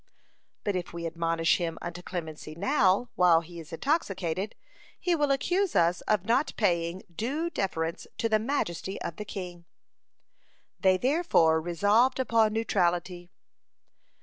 But if we admonish him unto clemency now, while he is intoxicated, he will accuse us of not paying due deference to the majesty of the king. They therefore resolved upon neutrality.